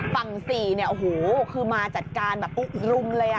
ฝั่ง๔คือมาจัดการเรังเลยอ่ะ